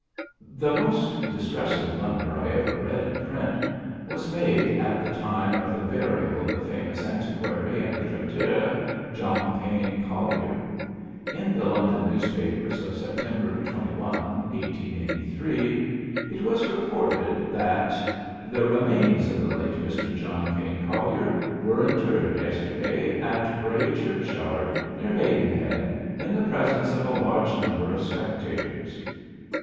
'" The most distressing blunder I ever read in print was made at the time of the burial of the famous antiquary and litterateur, John Payne Collier. In the London newspapers of Sept. 21, 1883, it was reported that "the remains of the late Mr. John Payne Collier were interred yesterday in Bray churchyard, near Maidenhead, in the presence of a large number of spectators."